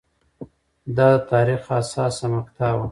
دا د تاریخ حساسه مقطعه وه.